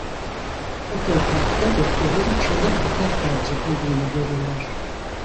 Optografta Doktor'un çığlık atarken çekildiğini görürler.